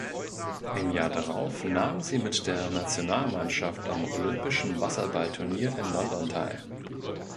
Im Jahr darauf nahm sie mit der Nationalmannschaft am Olympische Wasserballturnier in London teil.